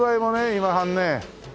今半ね